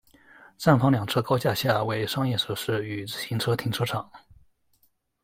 站房两侧高架下为商业设施与自行车停车场。